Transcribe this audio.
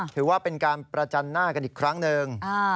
ถือว่าเป็นการประจันหน้ากันอีกครั้งหนึ่ง